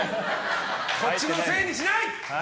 こっちのせいにしない！